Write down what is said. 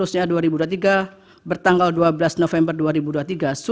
surat tersebut dikirimkan oleh pemerintah asn dan dikirimkan oleh pemerintah asn